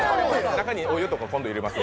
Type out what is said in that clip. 中にお湯とか、今度入れます。